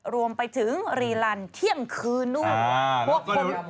รวมไปถึงรีลันเที่ยงคืนนู่น